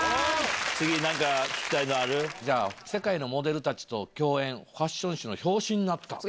次、じゃあ、世界のモデルたちと共演＆ファッション誌の表紙になった。